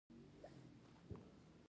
ځانګړنې: